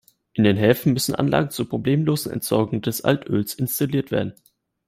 In den Häfen müssen Anlagen zur problemlosen Entsorgung des Altöls installiert werden.